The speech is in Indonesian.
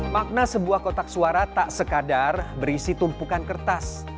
makna sebuah kotak suara tak sekadar berisi tumpukan kertas